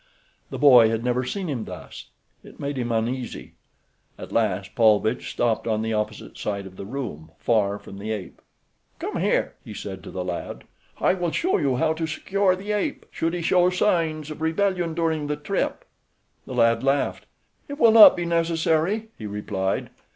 The boy had never seen him thus—it made him uneasy. At last Paulvitch stopped on the opposite side of the room, far from the ape. "Come here," he said to the lad. "I will show you how to secure the ape should he show signs of rebellion during the trip." The lad laughed. "It will not be necessary," he replied.